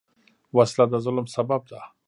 وسله د ظلم سبب ده